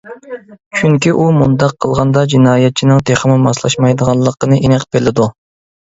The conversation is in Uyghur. چۈنكى ئۇ مۇنداق قىلغاندا جىنايەتچىنىڭ تېخىمۇ ماسلاشمايدىغانلىقىنى ئېنىق بىلىدۇ.